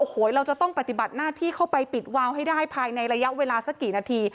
โอ้โหเราจะต้องปฏิบัติหน้าที่เข้าไปปิดวาวให้ได้ภายในระยะเวลาสักกี่นาที